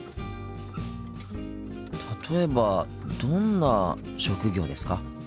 例えばどんな職業ですか？